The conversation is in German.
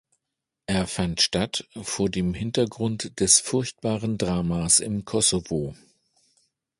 Er fand statt vor dem Hintergrund des furchtbaren Dramas im Kosovo.